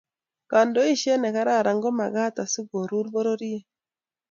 kandoishet ne Karan ko magat Asi kurur pororiet